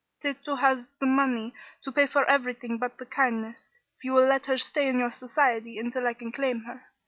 Tato has the money to pay for everything but the kindness, if you will let her stay in your society until I can claim her.